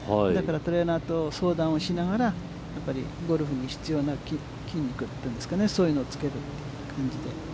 トレーナーと相談をしながらやっぱりゴルフに必要な筋肉というんですかね、そういうのをつけていく感じで。